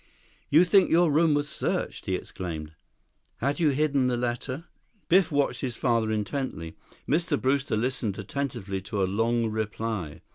"You think your room was searched?" he exclaimed. "Had you hidden the letter?" Biff watched his father intently. Mr. Brewster listened attentively to a long reply.